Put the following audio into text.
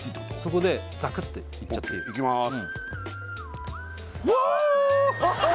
そこでザクっていっちゃっていいＯＫいきます